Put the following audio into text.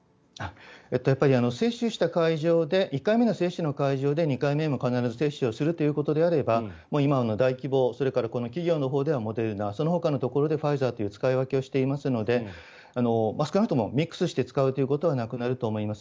やっぱり接種した会場で１回目の接種の会場で２回目も必ず接種をするということであれば今の大規模、それからこの企業のほうではモデルナそのほかのところでファイザーという使い分けをしていますので少なくともミックスして使うということはなくなると思います。